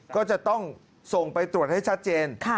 ก็จะต้องส่งไปตรวจให้ชัดเจน